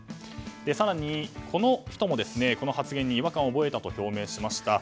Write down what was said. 更に、この人もこの発言に違和感を覚えたと表明しました。